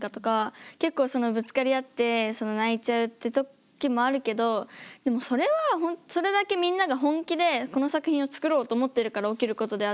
結構そのぶつかり合ってその泣いちゃうって時もあるけどでもそれはそれだけみんなが本気でこの作品を作ろうと思ってるから起きることであって。